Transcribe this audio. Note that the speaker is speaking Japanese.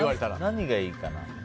何がいいかな？